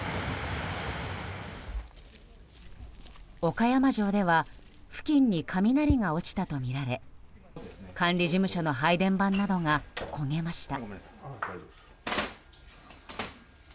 岡山城では付近に雷が落ちたとみられ管理事務所の配電盤などが焦げました。